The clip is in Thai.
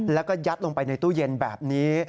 แล้วก็ยัดลงไปในตู้เย็นแบบนี้